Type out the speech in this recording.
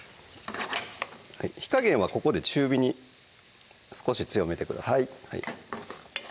火加減はここで中火に少し強めてください